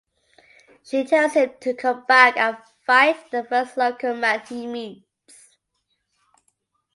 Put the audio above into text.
She tells him to come back and fight the first local man he meets.